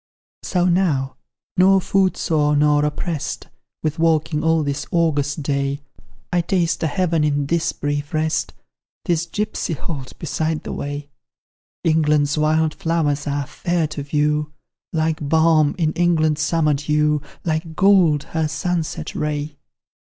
So now nor foot sore nor opprest With walking all this August day, I taste a heaven in this brief rest, This gipsy halt beside the way. England's wild flowers are fair to view, Like balm is England's summer dew Like gold her sunset ray.